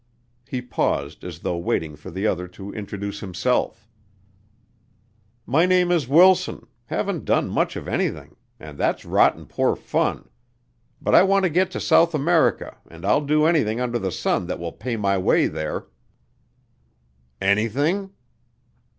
He paused as though waiting for the other to introduce himself. "My name is Wilson, haven't done much of anything and that's rotten poor fun. But I want to get to South America and I'll do anything under the sun that will pay my way there." "Anything?"